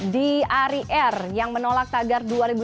di arir yang menolak tagar dua ribu sembilan belas